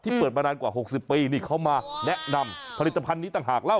เปิดมานานกว่า๖๐ปีนี่เขามาแนะนำผลิตภัณฑ์นี้ต่างหากเล่า